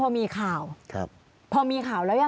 ลุงเอี่ยมอยากให้อธิบดีช่วยอะไรไหม